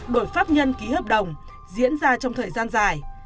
đổi pháp nhân ký hợp đồng diễn ra trong thời gian dài